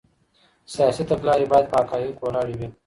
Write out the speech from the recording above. سیاسي تګلارې باید په حقایقو ولاړې وي.